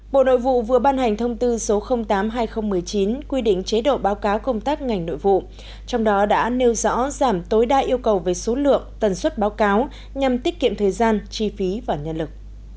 bộ nội vụ vừa ban hành thông tư số tám hai nghìn một mươi chín quy định chế độ báo cáo công tác ngành nội vụ trong đó đã nêu rõ giảm tối đa yêu cầu về số lượng tần suất báo cáo nhằm tiết kiệm thời gian chi phí và nhân lực